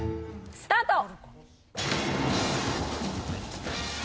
スタート！